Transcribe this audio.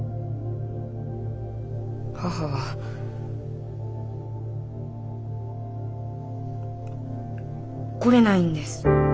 母は来れないんです。